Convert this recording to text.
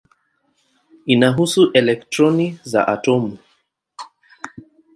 Inahusu elektroni za atomu.